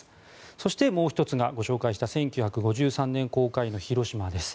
そして、もう１つがご紹介した１９５３年公開の「ひろしま」です。